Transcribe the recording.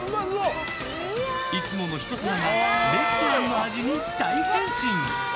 いつものひと皿がレストランの味に大変身！